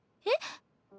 えっ？